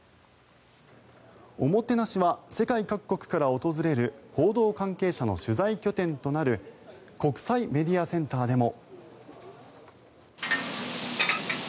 おもてなしは世界各国から訪れる報道関係者の取材拠点となる国際メディアセンターでも。